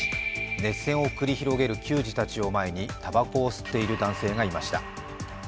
熱戦を繰り広げる球児たちを前にたばこを吸っている男性がいました。